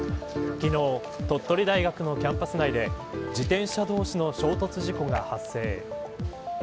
昨日、鳥取大学のキャンパス内で自転車同士の衝突事故が発生。